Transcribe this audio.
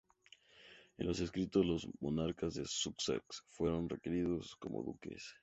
En los escritos los monarcas de Sussex fueron referidos como "Duques".